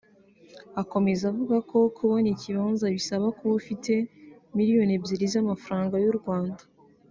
Akomeza avuga ko kubona ikibanza bisaba kuba ufite miliyoni ebyiri z’amafaranga y’u Rwanda